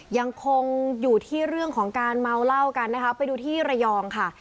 ยังคงอยู่ที่เรื่องของการเมาเหล้ากันนะคะไปดูที่ระยองค่ะ